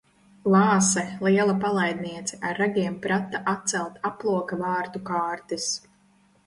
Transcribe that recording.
Lāse liela palaidniece ar ragiem prata atcelt aploka vārtu kārtis.